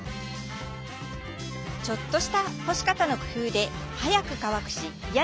ちょっとした干し方の工夫で早く乾くしいや